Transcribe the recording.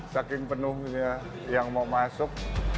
saking penuhnya yang mau masuk